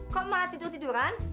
kok malah tidur tiduran